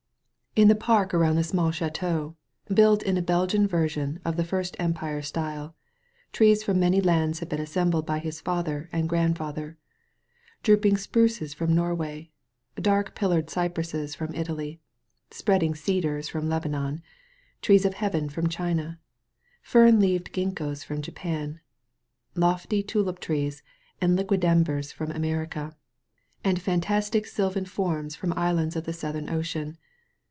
In the park around, the 'small ch&teau» built in a Belgian version of the First Empire style, trees from many lands had been assembled by his father and grand father: drooping spruces from Norway, dark pil lared cypresses from Italy, spreading cedars from Lebanon, trees of heaven from China, fern leaved gingkos from Japan, lofty tulip trees and liquidam bars from America, and fantastic sylvan forms from islands of the Southern Ocean.